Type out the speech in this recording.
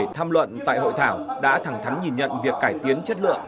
một trăm một mươi bảy tham luận tại hội thảo đã thẳng thắn nhìn nhận việc cải tiến chất lượng